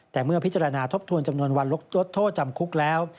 แต่เมื่อพิจารณาทบทวนจำนวนวันลดโทษจำคุกแล้ว